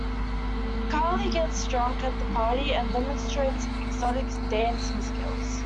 Carly gets drunk at the party and demonstrates exotic dancing skills.